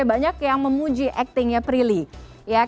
banyak yang memuji actingnya prilly